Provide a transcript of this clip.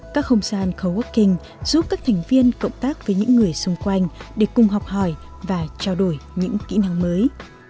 các không gian coworking giúp các thành viên cộng tác với những người xung quanh để cùng học hỏi và trao đổi những kỹ năng mới